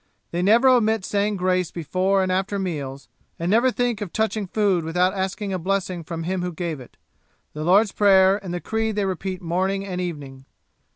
They never omit saying grace before and after meals, and never think of touching food without asking a blessing from Him who gave it. The Lord's Prayer and the Creed they repeat morning and evening.'